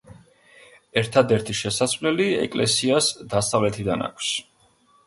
ერთადერთი შესასვლელი ეკლესიას დასავლეთიდან აქვს.